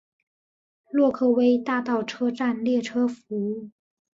洛克威大道车站列车服务。